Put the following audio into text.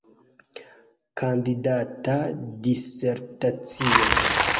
Kandidata disertacio.